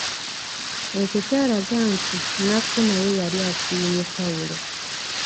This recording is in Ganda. Ekyo kyalaga nti Nakku naye yali asiimye Paulo.